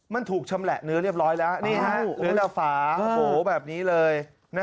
มันถูกชำแหละเนื้อเรียบร้อยแล้วนี่ฮะเนื้อละฝาแบบนี้เลย